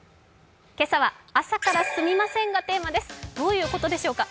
今朝は、朝からすみませんがテーマです、どういうことでしょうか。